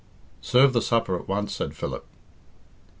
"Serve the supper at once," said Philip.